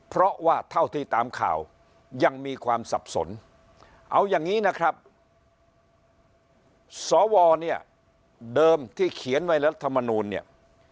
เอาอย่างนี้นะครับสเนี้ยเดิมที่เขียนไว้รัฐเนตรมนูลเนี่ย